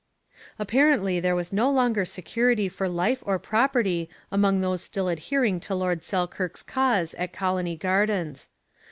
Apparently there was no longer security for life or property among those still adhering to Lord Selkirk's cause at Colony Gardens.